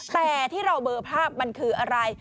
แต่ที่เราเบอร์ภาพมันคืออะไร